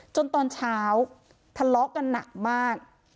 ตอนเช้าทะเลาะกันหนักมาก